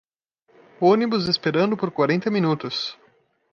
Ônibus esperando por quarenta minutos